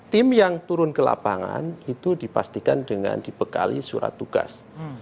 tim yang turun ke lapangan itu dipastikan dengan dibekali surat tugas